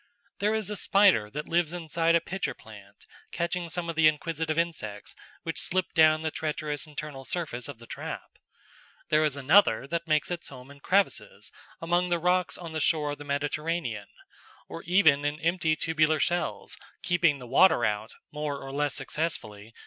_ There is a spider that lives inside a pitcher plant, catching some of the inquisitive insects which slip down the treacherous internal surface of the trap. There is another that makes its home in crevices among the rocks on the shore of the Mediterranean, or even in empty tubular shells, keeping the water out, more or less successfully, by spinning threads of silk across the entrance to its retreat.